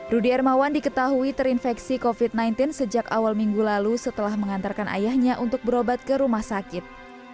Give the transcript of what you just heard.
rudy hermawan diketahui terinfeksi covid sembilan belas sejak awal minggu lalu setelah mengantarkan ayahnya untuk berobat ke rumah sakit